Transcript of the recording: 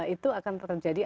itu akan terjadi